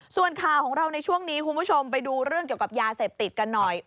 ส่วนข่าวของเราในช่วงนี้คุณผู้ชมไปดูเรื่องเกี่ยวกับยาเสพติดกันหน่อย